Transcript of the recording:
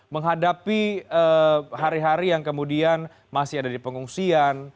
menghadapi hari hari yang kemudian masih ada di pengungsian